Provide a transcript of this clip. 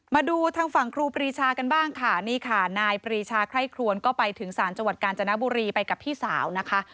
มาดูทางฝั่งครูปรีชากันบ้างค่ะนี่ค่ะนายปรีชาไคร่ครวนก็ไปถึงศาลจังหวัดกาญจนบุรีไปกับพี่สาวนะคะ